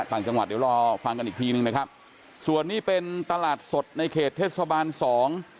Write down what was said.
ต่างจังหวัดเดี๋ยวรอฟังกันอีกทีหนึ่งนะครับส่วนนี้เป็นตลาดสดในเขตเทศบาลสอง